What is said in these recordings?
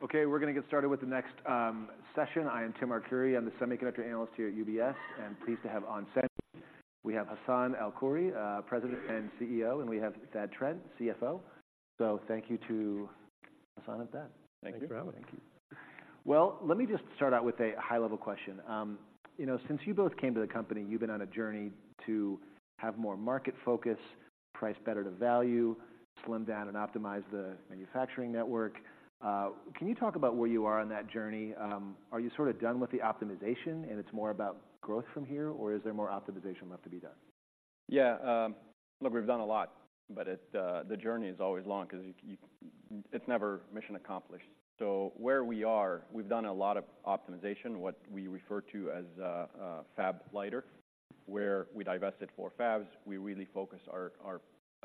Okay, we're gonna get started with the next session. I am Tim Arcuri. I'm the semiconductor analyst here at UBS and pleased to have on stage, we have Hassane El-Khoury, President and CEO, and we have Thad Trent, CFO. So thank you to Hassane and Thad. Thank you. Thank you for having us. Well, let me just start out with a high-level question. You know, since you both came to the company, you've been on a journey to have more market focus, price better to value, slim down and optimize the manufacturing network. Can you talk about where you are on that journey? Are you sort of done with the optimization and it's more about growth from here, or is there more optimization left to be done? Yeah, look, we've done a lot, but it, the journey is always long because you-- it's never mission accomplished. So where we are, we've done a lot of optimization, what we refer to as Fab-Liter, where we divested four Fabs. We really focus our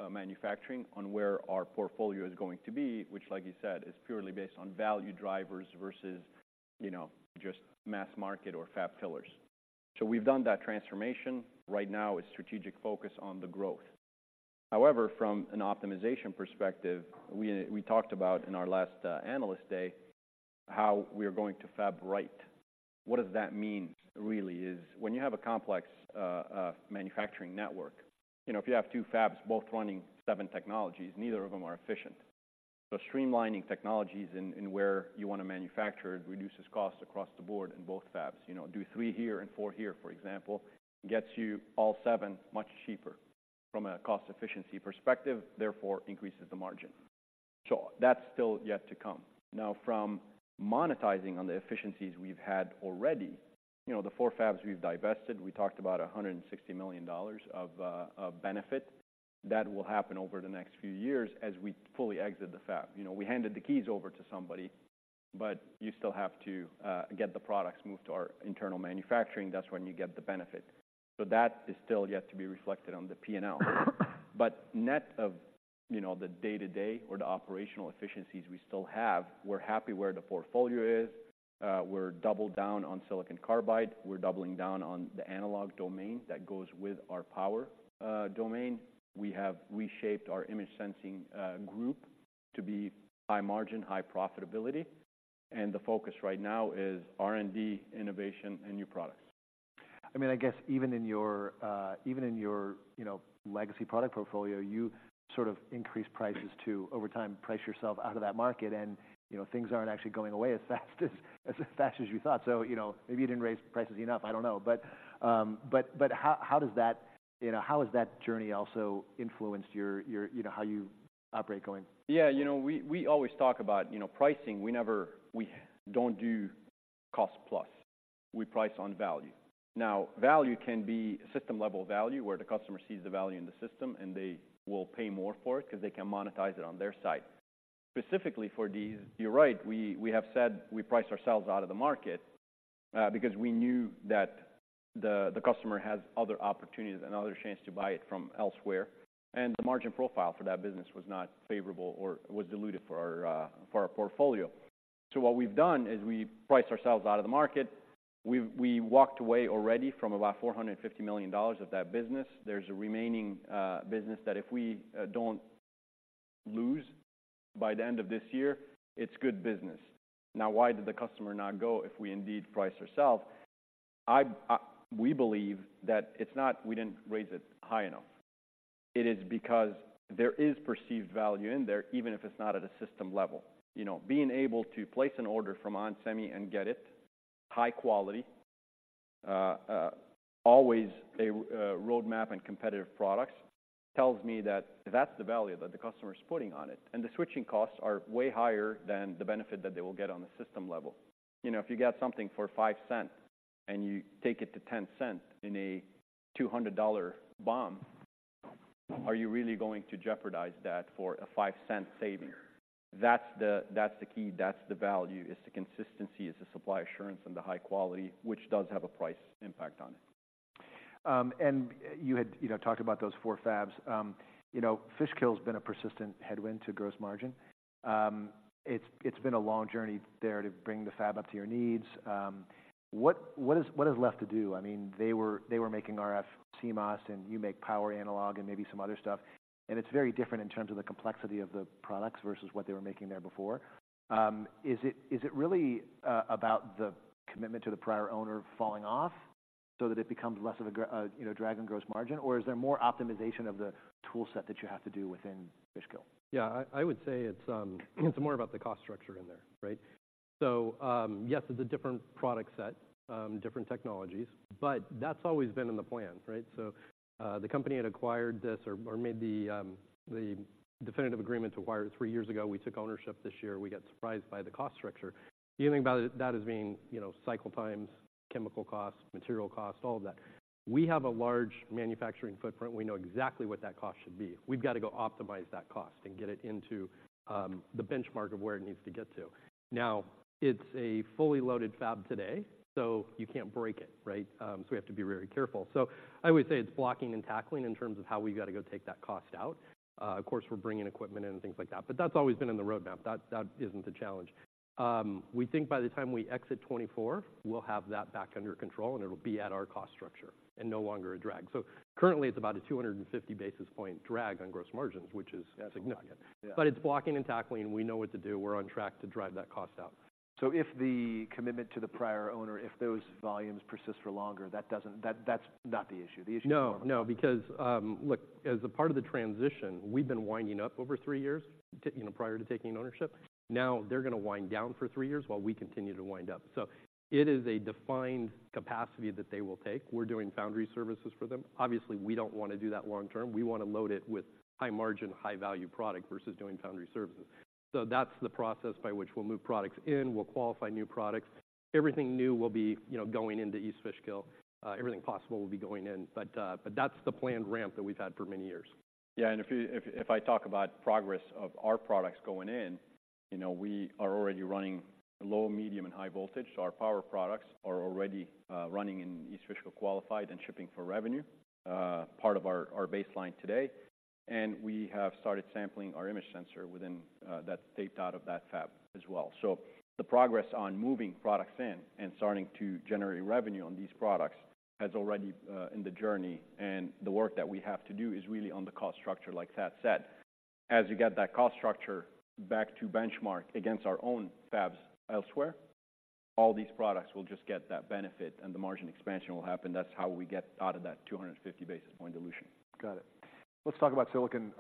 manufacturing on where our portfolio is going to be, which, like you said, is purely based on value drivers versus, you know, just mass market or Fab pillars. So we've done that transformation. Right now, it's strategic focus on the growth. However, from an optimization perspective, we talked about, in our last Analyst Day, how we are going to Fab Right. What does that mean, really, is when you have a complex manufacturing network, you know, if you have two Fabs, both running seven technologies, neither of them are efficient. So streamlining technologies in where you want to manufacture it reduces costs across the board in both Fabs. You know, do three here and four here, for example, gets you all seven much cheaper from a cost efficiency perspective, therefore increases the margin. So that's still yet to come. Now, from monetizing on the efficiencies we've had already, you know, the four Fabs we've divested, we talked about $160 million of benefit. That will happen over the next few years as we fully exit the Fab. You know, we handed the keys over to somebody, but you still have to get the products moved to our internal manufacturing. That's when you get the benefit. So that is still yet to be reflected on the P&L. But net of, you know, the day-to-day or the operational efficiencies we still have, we're happy where the portfolio is. We're doubled down on silicon carbide, we're doubling down on the analog domain that goes with our power domain. We have reshaped our image sensing group to be high margin, high profitability, and the focus right now is R&D, innovation, and new products. I mean, I guess even in your, even in your, you know, legacy product portfolio, you sort of increased prices to over time, price yourself out of that market. You know, things aren't actually going away as fast as you thought. You know, maybe you didn't raise prices enough, I don't know. How does that, you know, how has that journey also influenced your, you know, how you operate going? Yeah, you know, we always talk about, you know, pricing. We never, we don't do cost plus. We price on value. Now, value can be system-level value, where the customer sees the value in the system, and they will pay more for it because they can monetize it on their side. Specifically for these, you're right, we have said we priced ourselves out of the market, because we knew that the customer has other opportunities and other chances to buy it from elsewhere, and the margin profile for that business was not favorable or was diluted for our portfolio. So what we've done is we priced ourselves out of the market. We've walked away already from about $450 million of that business. There's a remaining business that if we don't lose by the end of this year, it's good business. Now, why did the customer not go if we indeed priced ourself? We believe that it's not we didn't raise it high enough. It is because there is perceived value in there, even if it's not at a system level. You know, being able to place an order from onsemi and get it, high quality, always a roadmap and competitive products, tells me that that's the value that the customer is putting on it, and the switching costs are way higher than the benefit that they will get on the system level. You know, if you get something for $0.05 and you take it to $0.10 in a $200 bond, are you really going to jeopardize that for a $0.05 saving? That's the, that's the key, that's the value, is the consistency, is the supply assurance and the high quality, which does have a price impact on it. And you had, you know, talked about those four Fabs. You know, Fishkill has been a persistent headwind to gross margin. It's been a long journey there to bring the Fab up to your needs. What is left to do? I mean, they were making RF CMOS, and you make power analog and maybe some other stuff, and it's very different in terms of the complexity of the products versus what they were making there before. Is it really about the commitment to the prior owner falling off so that it becomes less of a drag on gross margin, or is there more optimization of the toolset that you have to do within Fishkill? Yeah, I would say it's more about the cost structure in there, right? So, yes, it's a different product set, different technologies, but that's always been in the plan, right? So, the company had acquired this or made the definitive agreement to acquire it three years ago. We took ownership this year. We got surprised by the cost structure. The only value that is being, you know, cycle times, chemical costs, material costs, all of that. We have a large manufacturing footprint. We know exactly what that cost should be. We've got to go optimize that cost and get it into the benchmark of where it needs to get to. Now, it's a fully loaded Fab today, so you can't break it, right? So we have to be very careful. So I would say it's blocking and tackling in terms of how we've got to go take that cost out. Of course, we're bringing equipment in and things like that, but that's always been in the roadmap. That isn't the challenge. ... we think by the time we exit 2024, we'll have that back under control, and it'll be at our cost structure and no longer a drag. So currently, it's about a 250 basis point drag on gross margins, which is significant. Yeah. It's blocking and tackling, we know what to do. We're on track to drive that cost out. So if the commitment to the prior owner, if those volumes persist for longer, that doesn't, that, that's not the issue? The issue- No, no, because, look, as a part of the transition, we've been winding up over three years, you know, prior to taking ownership. Now, they're gonna wind down for three years while we continue to wind up. So it is a defined capacity that they will take. We're doing foundry services for them. Obviously, we don't wanna do that long term. We wanna load it with high margin, high value product versus doing foundry services. So that's the process by which we'll move products in, we'll qualify new products. Everything new will be, you know, going into East Fishkill. Everything possible will be going in, but, but that's the planned ramp that we've had for many years. Yeah, and if I talk about progress of our products going in, you know, we are already running low, medium, and high voltage. So our power products are already running in East Fishkill, qualified and shipping for revenue, part of our baseline today. And we have started sampling our image sensor within that taped out of that Fab as well. So the progress on moving products in and starting to generate revenue on these products has already in the journey, and the work that we have to do is really on the cost structure, like Thad said. As you get that cost structure back to benchmark against our own Fabs elsewhere, all these products will just get that benefit, and the margin expansion will happen. That's how we get out of that 250 basis point dilution. Got it. Let's talk about silicon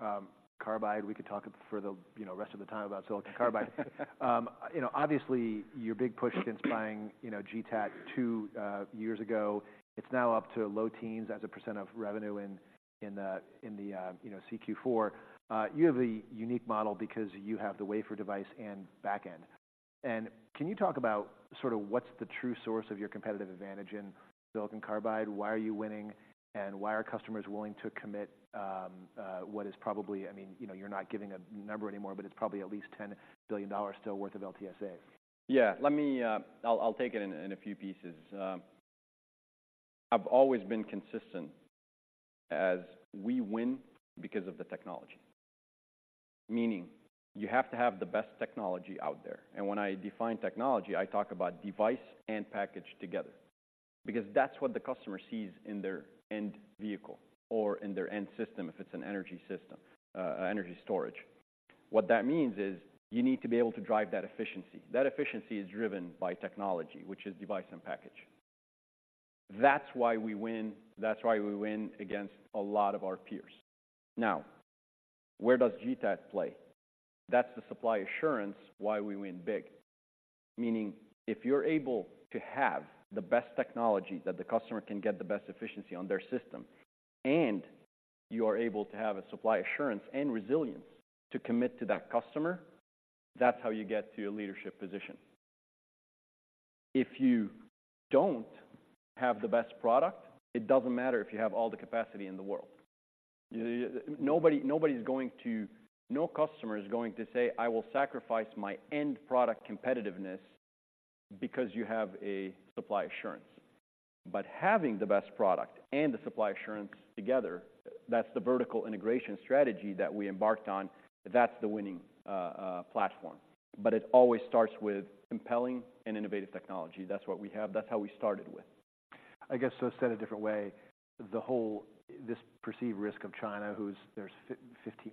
carbide. We could talk for the, you know, rest of the time about silicon carbide. You know, obviously, your big push since buying, you know, GTAT two years ago, it's now up to low teens% of revenue in the Q4. You have a unique model because you have the wafer device and back end. Can you talk about sort of what's the true source of your competitive advantage in silicon carbide? Why are you winning, and why are customers willing to commit what is probably... I mean, you know, you're not giving a number anymore, but it's probably at least $10 billion still worth of LTSA. Yeah, let me. I'll take it in a few pieces. I've always been consistent as we win because of the technology. Meaning, you have to have the best technology out there, and when I define technology, I talk about device and package together, because that's what the customer sees in their end vehicle or in their end system, if it's an energy system, energy storage. What that means is you need to be able to drive that efficiency. That efficiency is driven by technology, which is device and package. That's why we win, that's why we win against a lot of our peers. Now, where does GTAT play? That's the supply assurance, why we win big. Meaning, if you're able to have the best technology that the customer can get the best efficiency on their system, and you are able to have a supply assurance and resilience to commit to that customer, that's how you get to a leadership position. If you don't have the best product, it doesn't matter if you have all the capacity in the world. Nobody, nobody's going to-- no customer is going to say, "I will sacrifice my end product competitiveness because you have a supply assurance." But having the best product and the supply assurance together, that's the vertical integration strategy that we embarked on, that's the winning platform. But it always starts with compelling and innovative technology. That's what we have. That's how we started with. I guess, so said a different way, the whole, this perceived risk of China, who's... There's 15--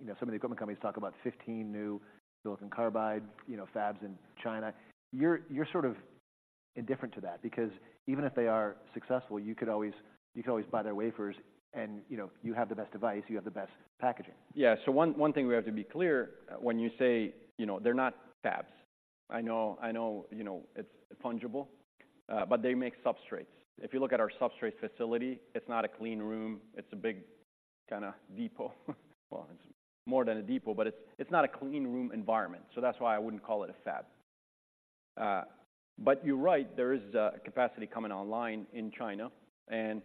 You know, some of the equipment companies talk about 15 new silicon carbide, you know, Fabs in China. You're, you're sort of indifferent to that, because even if they are successful, you could always, you could always buy their wafers and, you know, you have the best device, you have the best packaging. Yeah. So one thing we have to be clear, when you say, you know, they're not Fabs. I know, I know, you know, it's fungible, but they make substrates. If you look at our substrate facility, it's not a clean room, it's a big kinda depot. Well, it's more than a depot, but it's not a clean room environment, so that's why I wouldn't call it a Fab. But you're right, there is capacity coming online in China, and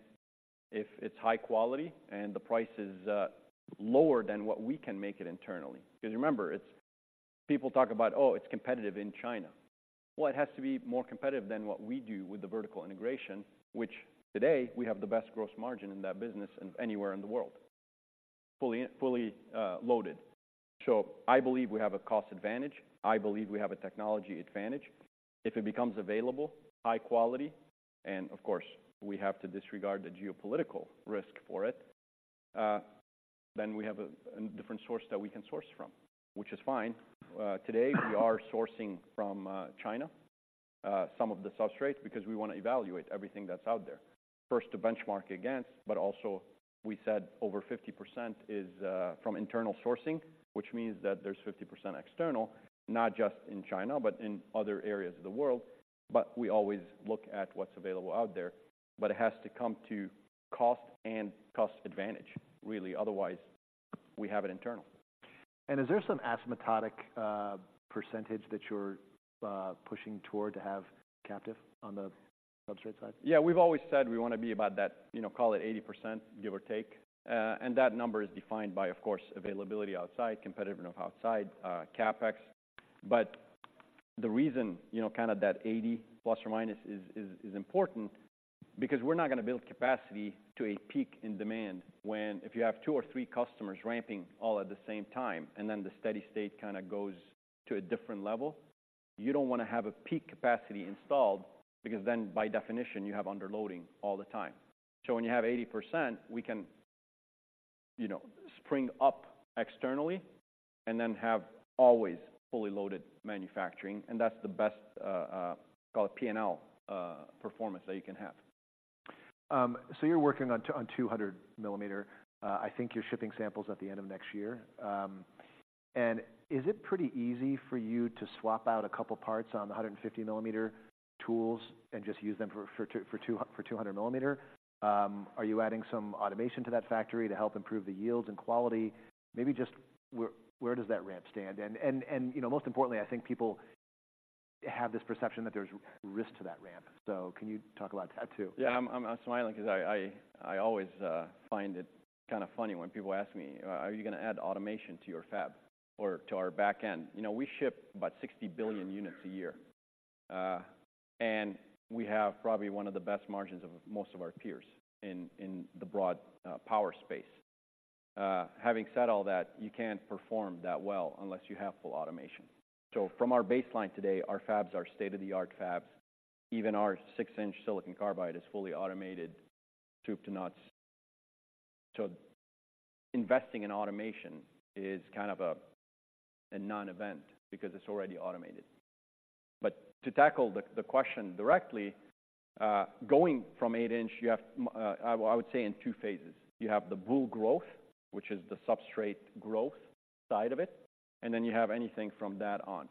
if it's high quality and the price is lower than what we can make it internally... Because remember, it's people talk about, "Oh, it's competitive in China." Well, it has to be more competitive than what we do with the vertical integration, which today, we have the best gross margin in that business than anywhere in the world, fully, fully loaded. So I believe we have a cost advantage. I believe we have a technology advantage. If it becomes available, high quality, and of course, we have to disregard the geopolitical risk for it, then we have a different source that we can source from, which is fine. Today, we are sourcing from China some of the substrates, because we wanna evaluate everything that's out there. First, to benchmark against, but also we said over 50% is from internal sourcing, which means that there's 50% external, not just in China, but in other areas of the world, but we always look at what's available out there. But it has to come to cost and cost advantage, really, otherwise, we have it internal. Is there some asymptotic percentage that you're pushing toward to have captive on the substrate side? Yeah, we've always said we wanna be about that, you know, call it 80%, give or take. And that number is defined by, of course, availability outside, competitiveness outside, CapEx. But the reason, you know, kind of that 80% plus or minus is important because we're not gonna build capacity to a peak in demand, when if you have two or three customers ramping all at the same time, and then the steady state kind of goes to a different level, you don't wanna have a peak capacity installed, because then by definition, you have underloading all the time. So when you have 80%, we can, you know, spring up externally and then have always fully loaded manufacturing, and that's the best, call it P&L performance that you can have. So you're working on 200 mm. I think you're shipping samples at the end of next year. And is it pretty easy for you to swap out a couple parts on the 150 mm tools and just use them for 200 mm? Are you adding some automation to that factory to help improve the yields and quality? Maybe just where does that ramp stand? And, you know, most importantly, I think people have this perception that there's risk to that ramp. So can you talk about that, too? Yeah, I'm smiling 'cause I always find it kind of funny when people ask me, "Are you gonna add automation to your Fab or to our back end?" You know, we ship about 60 billion units a year, and we have probably one of the best margins of most of our peers in the broad power space. Having said all that, you can't perform that well unless you have full automation. So from our baseline today, our Fabs are state-of-the-art Fabs. Even our six inch silicon carbide is fully automated, soup to nuts. So investing in automation is kind of a non-event because it's already automated. But to tackle the question directly, going from eight inch, you have – I would say in two phases. You have the boule growth, which is the substrate growth side of it, and then you have anything from that on.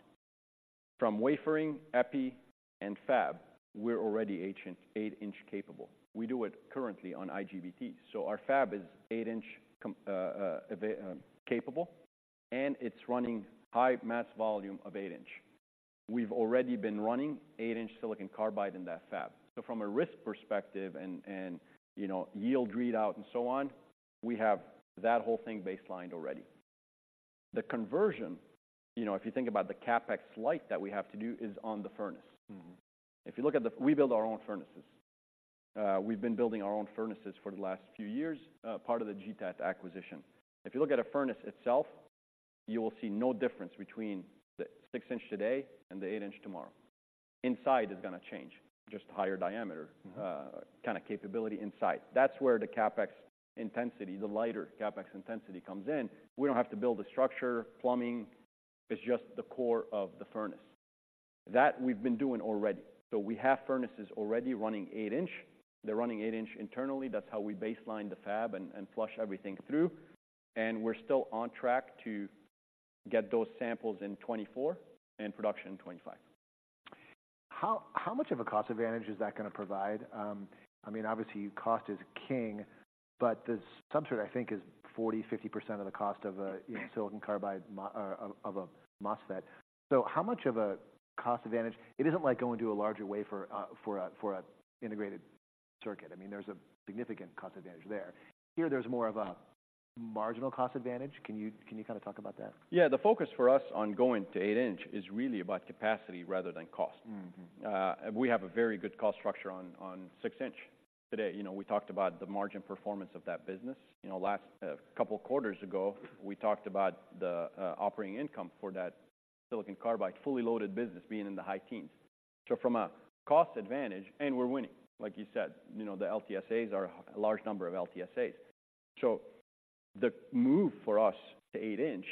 From wafering, epi, and Fab, we're already eight inch capable. We do it currently on IGBTs. So our Fab is eight inch capable, and it's running high mass volume of eight inch. We've already been running eight inch silicon carbide in that Fab. So from a risk perspective and, you know, yield readout and so on, we have that whole thing baselined already. The conversion, you know, if you think about the CapEx light that we have to do, is on the furnace. Mm-hmm. We build our own furnaces. We've been building our own furnaces for the last few years, part of the GTAT acquisition. If you look at a furnace itself, you will see no difference between the six inch today and the eight inch tomorrow. Inside is gonna change, just higher diameter. Mm-hmm... kind of capability inside. That's where the CapEx intensity, the lighter CapEx intensity, comes in. We don't have to build a structure, plumbing, it's just the core of the furnace. That we've been doing already. So we have furnaces already running eight inch. They're running eight inch internally. That's how we baseline the Fab and flush everything through, and we're still on track to get those samples in 2024 and production in 2025. How much of a cost advantage is that gonna provide? I mean, obviously, cost is king, but the substrate, I think, is 40%-50% of the cost of a, you know- Mm... Silicon carbide of a MOSFETs. So how much of a cost advantage? It isn't like going to a larger wafer for an integrated circuit. I mean, there's a significant cost advantage there. Here, there's more of a marginal cost advantage. Can you kind of talk about that? Yeah. The focus for us on going to eight inch is really about capacity rather than cost. Mm-hmm. We have a very good cost structure on six inch today. You know, we talked about the margin performance of that business. You know, last couple quarters ago, we talked about the operating income for that silicon carbide fully loaded business being in the high teens. So from a cost advantage. And we're winning, like you said, you know, the LTSAs are a large number of LTSAs. So the move for us to eight inch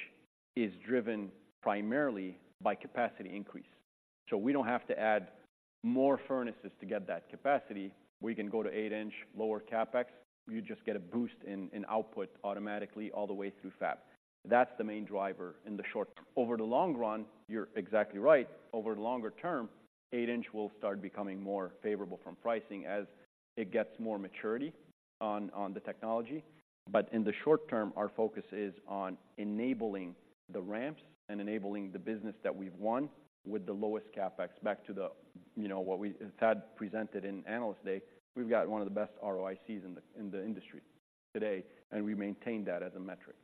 is driven primarily by capacity increase, so we don't have to add more furnaces to get that capacity. We can go to eight inch, lower CapEx, you just get a boost in output automatically all the way through Fab. That's the main driver in the short. Over the long run, you're exactly right. Over the longer term, eight inch will start becoming more favorable from pricing as it gets more maturity on, on the technology. But in the short term, our focus is on enabling the ramps and enabling the business that we've won with the lowest CapEx back to the, you know, what we-- Thad presented in Analyst Day. We've got one of the best ROICs in the, in the industry today, and we maintain that as a metric.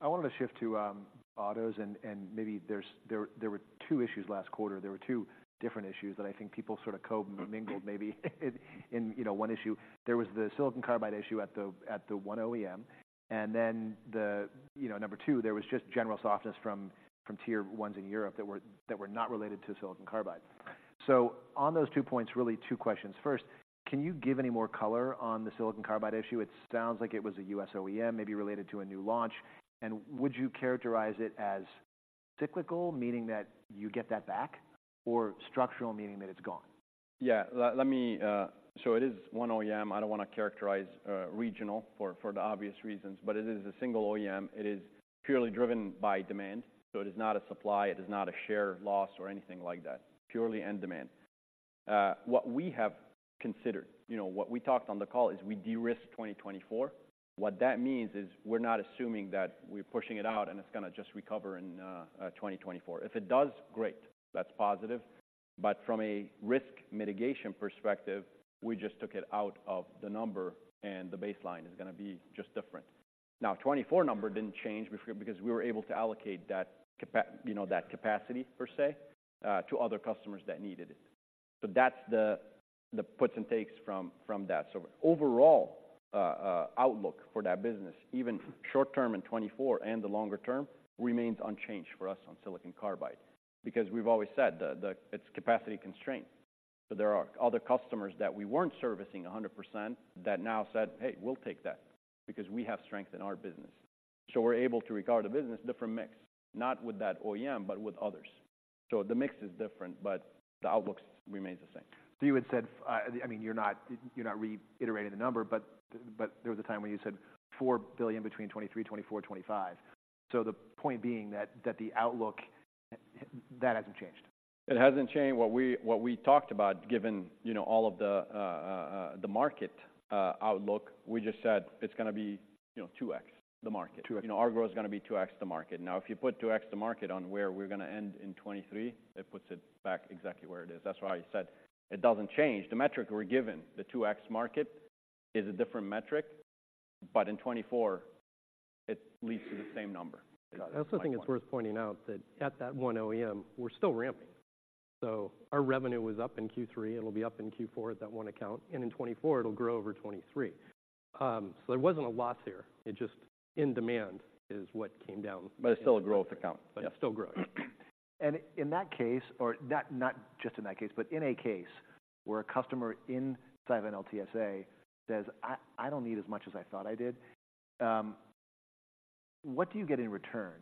I wanted to shift to autos and maybe there were two issues last quarter. There were two different issues that I think people sort of comingle maybe, you know, one issue. There was the silicon carbide issue at the one OEM, and then, you know, number two, there was just general softness from tier ones in Europe that were not related to silicon carbide. So on those two points, really two questions. First, can you give any more color on the silicon carbide issue? It sounds like it was a U.S. OEM, maybe related to a new launch. And would you characterize it as cyclical, meaning that you get that back? Or structural, meaning that it's gone? Yeah. Let me... So it is one OEM, I don't wanna characterize regional for the obvious reasons, but it is a single OEM. It is purely driven by demand, so it is not a supply, it is not a share loss or anything like that. Purely end demand. What we have considered, you know, what we talked on the call, is we de-risk 2024. What that means is we're not assuming that we're pushing it out and it's gonna just recover in 2024. If it does, great, that's positive. But from a risk mitigation perspective, we just took it out of the number, and the baseline is gonna be just different. Now, 2024 number didn't change because we were able to allocate that capacity, you know, that capacity, per se, to other customers that needed it. So that's the puts and takes from that. So overall outlook for that business, even short term in 2024 and the longer term, remains unchanged for us on silicon carbide, because we've always said it's capacity constrained. So there are other customers that we weren't servicing 100% that now said, "Hey, we'll take that, because we have strength in our business." So we're able to regard the business different mix, not with that OEM, but with others. So the mix is different, but the outlook remains the same. So you had said, I mean, you're not, you're not reiterating the number, but, but there was a time when you said $4 billion between 2023, 2024, and 2025. So the point being that, that the outlook, that hasn't changed? It hasn't changed. What we talked about, given, you know, all of the the market outlook, we just said it's gonna be, you know, 2x the market. 2x. You know, our growth is gonna be 2x the market. Now, if you put 2x the market on where we're gonna end in 2023, it puts it back exactly where it is. That's why I said it doesn't change. The metric we're given, the 2x market, is a different metric, but in 2024, it leads to the same number. I also think it's worth pointing out that at that one OEM, we're still ramping. So our revenue was up in Q3, it'll be up in Q4 at that one account, and in 2024, it'll grow over 2023. So there wasn't a loss here, it just in demand is what came down. But it's still a growth account. But it's still growing. In that case, or not, not just in that case, but in a case where a customer inside an LTSA says, "I, I don't need as much as I thought I did," what do you get in return?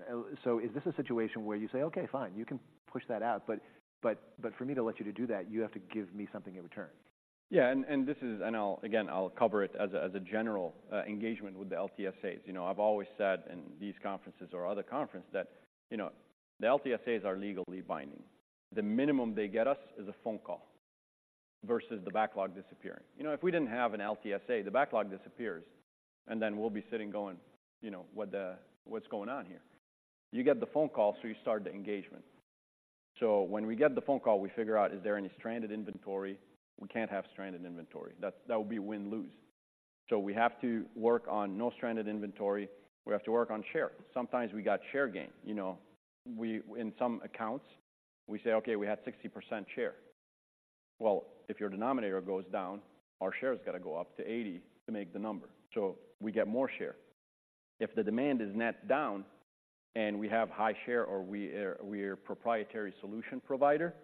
So is this a situation where you say: "Okay, fine, you can push that out, but, but, but for me to let you to do that, you have to give me something in return? Yeah, and this is, and I'll, again, I'll cover it as a general engagement with the LTSAs. You know, I've always said in these conferences or other conference, that, you know, the LTSAs are legally binding. The minimum they get us is a phone call versus the backlog disappearing. You know, if we didn't have an LTSA, the backlog disappears, and then we'll be sitting going: "You know, what the-- what's going on here?" You get the phone call, so you start the engagement. So when we get the phone call, we figure out, is there any stranded inventory? We can't have stranded inventory. That, that would be a win-lose. So we have to work on no stranded inventory. We have to work on share. Sometimes we got share gain, you know. We, in some accounts, we say: "Okay, we had 60% share." Well, if your denominator goes down, our share has got to go up to 80 to make the number, so we get more share. If the demand is net down and we have high share, or we are, we're a proprietary solution provider,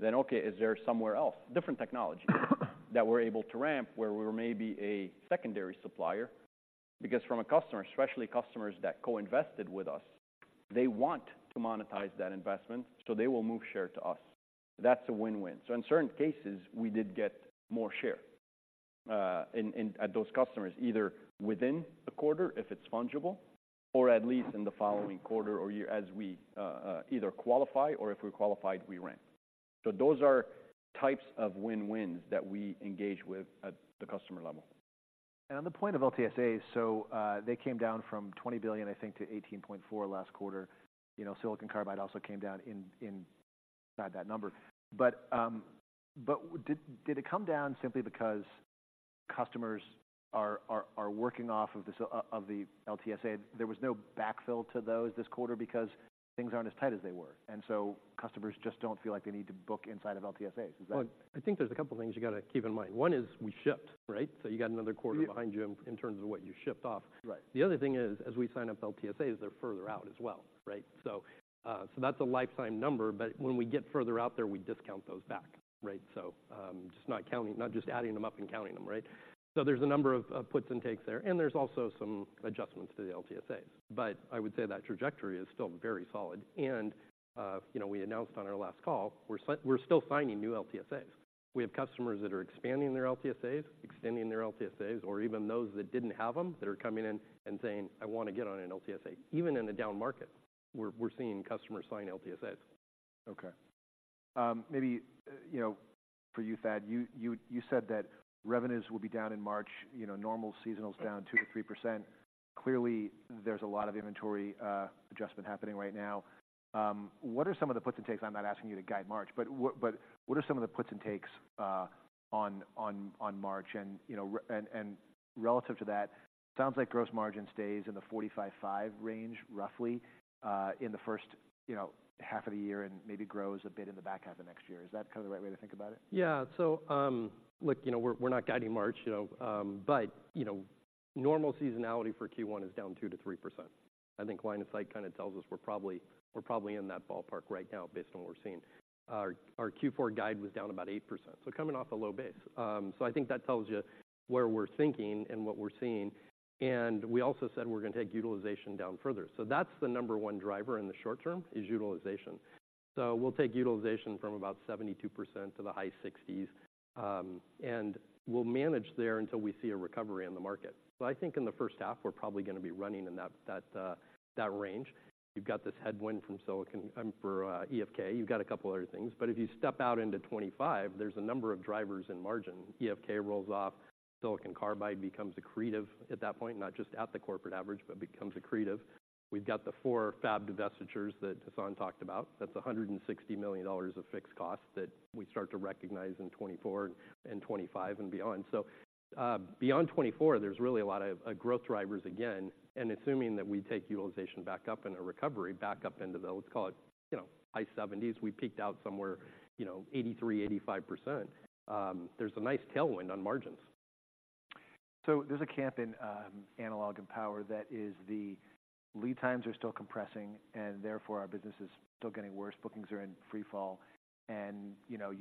then okay, is there somewhere else, different technology, that we're able to ramp where we're maybe a secondary supplier? Because from a customer, especially customers that co-invested with us, they want to monetize that investment, so they will move share to us. That's a win-win. So in certain cases, we did get more share in at those customers, either within the quarter, if it's fungible, or at least in the following quarter or year as we, either qualify or if we're qualified, we ramp. Those are types of win-wins that we engage with at the customer level. And on the point of LTSA, so, they came down from $20 billion, I think, to $18.4 billion last quarter. You know, silicon carbide also came down inside that number. But did it come down simply because customers are working off of the LTSA? There was no backfill to those this quarter because things aren't as tight as they were, and so customers just don't feel like they need to book inside of LTSAs. Is that- Well, I think there's a couple things you got to keep in mind. One is we shipped, right? So you got another quarter behind you in terms of what you shipped off. Right. The other thing is, as we sign up LTSAs, they're further out as well, right? So, so that's a lifetime number, but when we get further out there, we discount those back, right? So, just not counting, not just adding them up and counting them, right? So there's a number of puts and takes there, and there's also some adjustments to the LTSAs. But I would say that trajectory is still very solid, and, you know, we announced on our last call, we're still signing new LTSAs. We have customers that are expanding their LTSAs, extending their LTSAs, or even those that didn't have them, that are coming in and saying, "I want to get on an LTSA." Even in a down market, we're seeing customers sign LTSAs. Okay. Maybe you know, for you, Thad, you said that revenues will be down in March, you know, normal seasonal is down 2%-3%. Clearly, there's a lot of inventory adjustment happening right now. What are some of the puts and takes? I'm not asking you to guide March, but what are some of the puts and takes on March? And, you know, and relative to that, it sounds like gross margin stays in the 45-55% range, roughly, in the first, you know, half of the year, and maybe grows a bit in the back half of next year. Is that kind of the right way to think about it? Yeah. So, look, you know, we're not guiding March, you know, but, you know, normal seasonality for Q1 is down 2%-3%. I think line of sight kind of tells us we're probably in that ballpark right now based on what we're seeing. Our Q4 guide was down about 8%, so coming off a low base. So I think that tells you where we're thinking and what we're seeing, and we also said we're gonna take utilization down further. So that's the number one driver in the short term, is utilization. So we'll take utilization from about 72% to the high 60s, and we'll manage there until we see a recovery in the market. So I think in the first half, we're probably gonna be running in that range. You've got this headwind from silicon for EFK. You've got a couple other things, but if you step out into 2025, there's a number of drivers in margin. EFK rolls off, silicon carbide becomes accretive at that point, not just at the corporate average, but accretive. We've got the four Fab divestitures that Hassane talked about. That's $160 million of fixed cost that we start to recognize in 2024 and 2025 and beyond. So, beyond 2024, there's really a lot of growth drivers again, and assuming that we take utilization back up in a recovery, back up into the, let's call it, you know, high 70s, we peaked out somewhere, you know, 83%-85%, there's a nice tailwind on margins. So there's a camp in analog and power that is, the lead times are still compressing, and therefore, our business is still getting worse. Bookings are in free fall, and you know,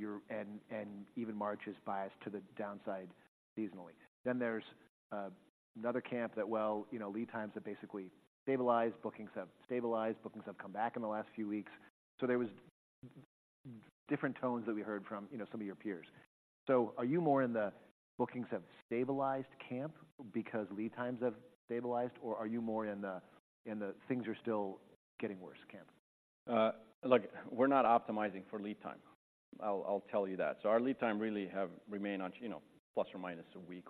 even March is biased to the downside seasonally. Then there's another camp that, well, you know, lead times have basically stabilized, bookings have stabilized, bookings have come back in the last few weeks. So there was different tones that we heard from, you know, some of your peers. So are you more in the "bookings have stabilized" camp because lead times have stabilized? Or are you more in the "things are still getting worse" camp? Look, we're not optimizing for lead time. I'll tell you that. So our lead time really have remained on, you know, ±1-2 weeks.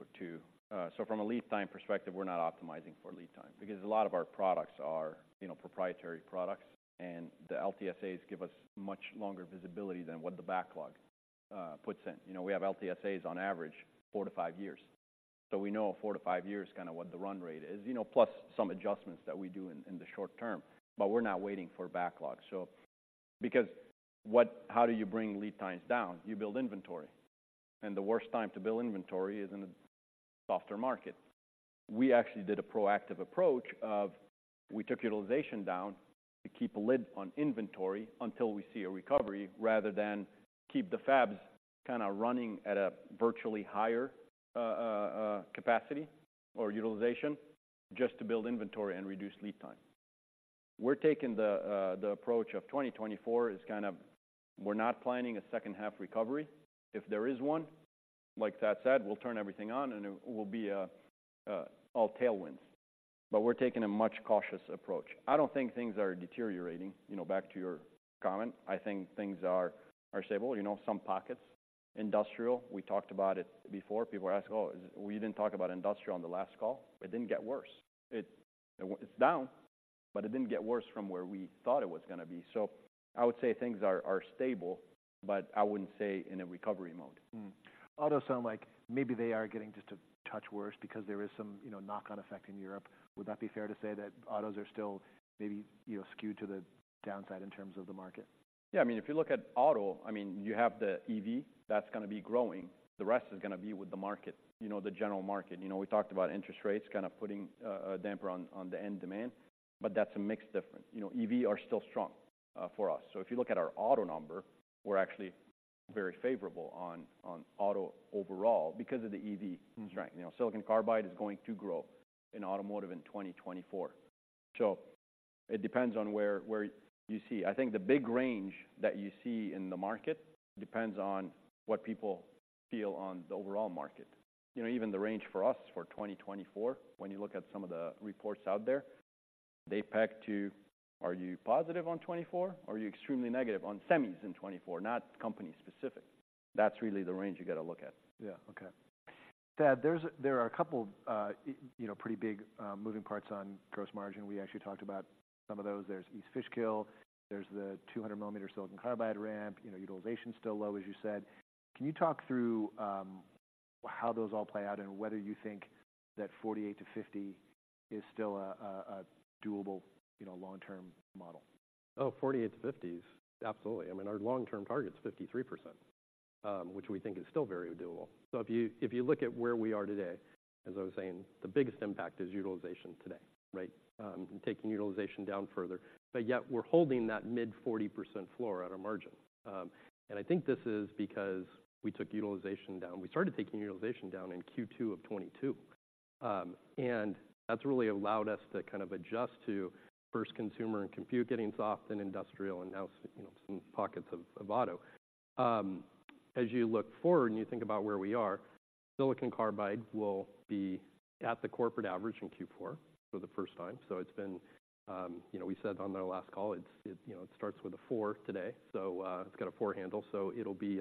So from a lead time perspective, we're not optimizing for lead time because a lot of our products are, you know, proprietary products, and the LTSAs give us much longer visibility than what the backlog puts in. You know, we have LTSAs, on average, four to five years. So we know four to five years kind of what the run rate is, you know, plus some adjustments that we do in the short term. But we're not waiting for backlog, so. Because what - how do you bring lead times down? You build inventory, and the worst time to build inventory is in a softer market. We actually did a proactive approach of we took utilization down to keep a lid on inventory until we see a recovery, rather than keep the Fabs kinda running at a virtually higher capacity or utilization just to build inventory and reduce lead time. We're taking the approach of 2024 is kind of we're not planning a second half recovery. If there is one, like Thad said, we'll turn everything on, and it will be a all tailwinds, but we're taking a much cautious approach. I don't think things are deteriorating, you know, back to your comment. I think things are stable. You know, some pockets, industrial, we talked about it before. People are asking, "Oh, we didn't talk about industrial on the last call." It didn't get worse. It's down, but it didn't get worse from where we thought it was gonna be. So I would say things are stable, but I wouldn't say in a recovery mode. Mm-hmm. Autos sound like maybe they are getting just a touch worse because there is some, you know, knock-on effect in Europe. Would that be fair to say, that autos are still maybe, you know, skewed to the downside in terms of the market? Yeah, I mean, if you look at auto, I mean, you have the EV that's gonna be growing. The rest is gonna be with the market, you know, the general market. You know, we talked about interest rates kind of putting a damper on the end demand, but that's a mixed difference. You know, EV are still strong for us. So if you look at our auto number, we're actually very favorable on auto overall because of the EV. Mm-hmm. Right. You know, silicon carbide is going to grow in automotive in 2024. So it depends on where, where you see. I think the big range that you see in the market depends on what people feel on the overall market. You know, even the range for us for 2024, when you look at some of the reports out there, they peg to, "Are you positive on 2024, or are you extremely negative on semis in 2024?" Not company specific. That's really the range you gotta look at. Yeah. Okay. Thad, there's, there are a couple, you know, pretty big moving parts on gross margin. We actually talked about some of those. There's East Fishkill, there's the 200 mm silicon carbide ramp, you know, utilization's still low, as you said. Can you talk through how those all play out and whether you think that 48%-50% is still a doable, you know, long-term model? Oh, 48 to 50s, absolutely. I mean, our long-term target's 53%, which we think is still very doable. So if you, if you look at where we are today, as I was saying, the biggest impact is utilization today, right? Taking utilization down further, but yet we're holding that mid-40% floor at our margin. And I think this is because we took utilization down. We started taking utilization down in Q2 of 2022. And that's really allowed us to kind of adjust to, first, consumer and compute getting soft, then industrial, and now you know, some pockets of, of auto. As you look forward and you think about where we are, silicon carbide will be at the corporate average in Q4 for the first time. So it's been... You know, we said on our last call, it starts with a four today, so it's got a four handle. So it'll be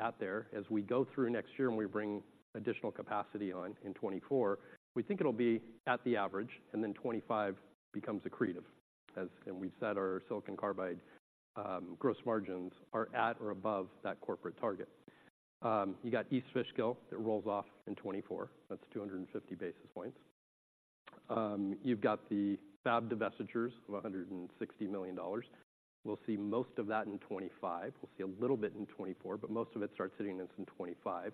out there. As we go through next year and we bring additional capacity on in 2024, we think it'll be at the average, and then 2025 becomes accretive, as and we've said our silicon carbide gross margins are at or above that corporate target. You got East Fishkill that rolls off in 2024. That's 250 basis points. You've got the Fab divestitures of $160 million. We'll see most of that in 2025. We'll see a little bit in 2024, but most of it starts hitting us in 2025.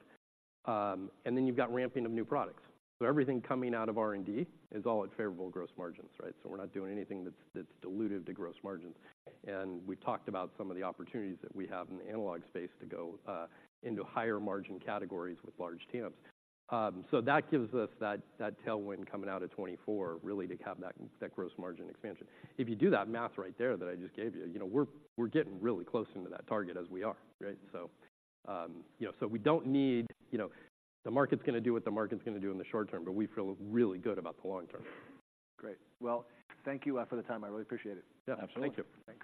And then you've got ramping of new products. So everything coming out of R&D is all at favorable gross margins, right? So we're not doing anything that's, that's dilutive to gross margins. And we've talked about some of the opportunities that we have in the analog space to go, into higher margin categories with large TAMs. So that gives us that, that tailwind coming out of 2024, really to have that, that gross margin expansion. If you do that math right there that I just gave you, you know, we're, we're getting really close into that target as we are, right? So, you know, so we don't need, you know, the market's gonna do what the market's gonna do in the short term, but we feel really good about the long term. Great. Well, thank you for the time. I really appreciate it. Yeah, absolutely. Thank you. Thanks.